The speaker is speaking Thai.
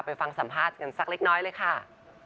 ฟังสัมภาษณ์กันสักเล็กน้อยเลยค่ะ